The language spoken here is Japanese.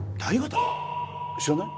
知らない？